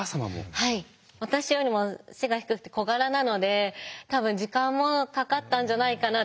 はい私よりも背が低くて小柄なので多分時間もかかったんじゃないかなって。